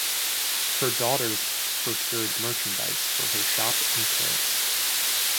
Her daughters procured merchandise for her shop in Paris.